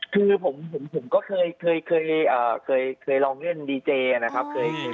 คือผมก็เคยลองเล่นดีเจนะครับ